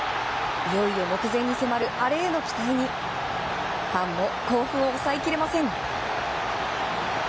いよいよ目前に迫るアレへの期待にファンも興奮を抑えきれません。